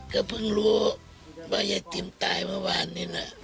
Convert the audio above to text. ก็เพิ่งรู้ว่ายายติ๋มตายเมื่อวานนี้นะ